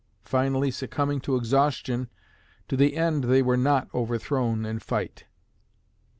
Finally succumbing to exhaustion, to the end they were not overthrown in fight.